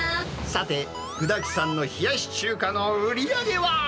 さて、具だくさんの冷やし中華の売り上げは？